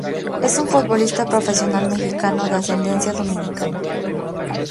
Es un futbolista profesional mexicano, de ascendencia dominicana.